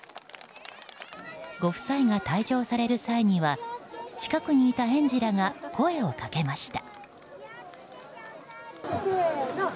ご夫妻が退場される際には近くにいた園児らが声をかけました。